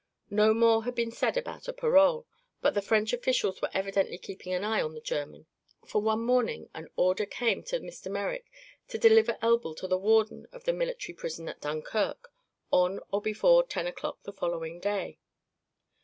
No more had been said about a parole, but the French officials were evidently keeping an eye on the German, for one morning an order came to Mr. Merrick to deliver Elbl to the warden of the military prison at Dunkirk on or before ten o'clock the following day.